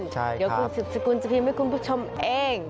เดี๋ยวคุณสิบสกุลจะพิมพ์ให้คุณผู้ชมเอง